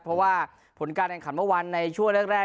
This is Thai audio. เพราะว่าผลการแข่งขันเมื่อวานในช่วงแรก